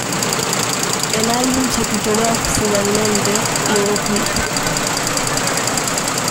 El álbum se tituló, finalmente, "Let It Be".